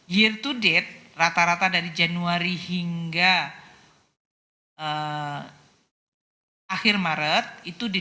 year to date rata rata dari januari hingga akhir maret itu di lima belas tujuh ratus sebelas